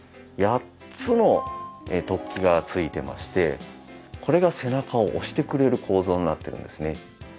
８つの突起がついてましてこれが背中を押してくれる構造になってるんですね。